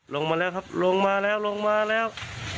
ลงมาแล้วครับลงมาแล้วลงมาแล้ว